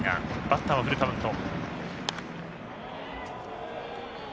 バッターはフルカウント。